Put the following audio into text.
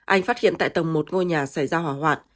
anh phát hiện tại tầng một ngôi nhà xảy ra hỏa hoạn